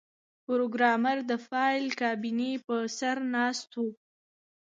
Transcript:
پروګرامر د فایل کابینې په سر ناست و